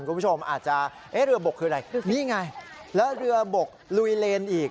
คุณผู้ชมอาจจะเอ๊ะเรือบกคืออะไรนี่ไงแล้วเรือบกลุยเลนอีก